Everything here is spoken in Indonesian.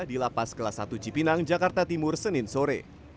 di lapas kelas satu cipinang jakarta timur senin sore